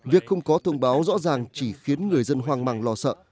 việc không có thông báo rõ ràng chỉ khiến người dân hoang mang lo sợ